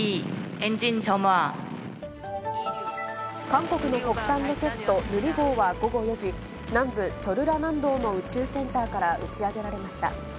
韓国の国産ロケット、ヌリ号は午後４時、南部チョルラ南道の宇宙センターから打ち上げられました。